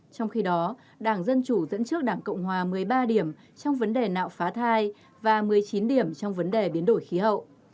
trong khi đó đảng dân chủ dẫn trước đảng cộng hòa một mươi ba điểm trong vấn đề nạo phá thai và một mươi chín điểm trong vấn đề biến đổi khí hậu